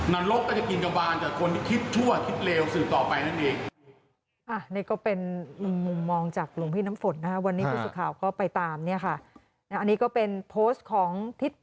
นรกก็จะกินกระบานกับคนที่คิดชั่วคิดเลวสืบต่อไปนั่นเอง